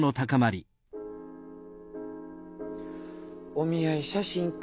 お見合い写真か。